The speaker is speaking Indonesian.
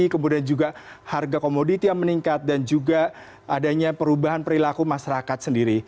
kemudian juga harga komoditi yang meningkat dan juga adanya perubahan perilaku masyarakat sendiri